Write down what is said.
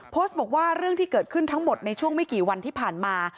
โพสต์บอกว่าเรื่องที่เกิดขึ้นทั้งหมดในช่วงไม่กี่วันที่ผ่านมา